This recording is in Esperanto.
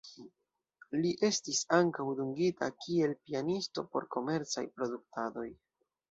Li estis ankaŭ dungita kiel pianisto por komercaj produktadoj.